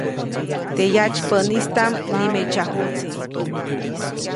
Teʼ yatsypäʼnistaʼm nimeʼtsyajuʼtsi.